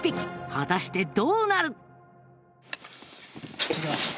果たしてどうなる？